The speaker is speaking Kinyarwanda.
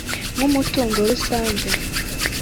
nk'umutungo rusange